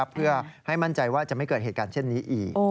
เพื่อให้มั่นใจว่าจะไม่เกิดเหตุการณ์เช่นนี้อีก